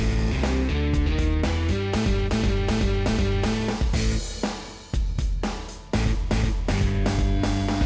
kita pernah ketemu ya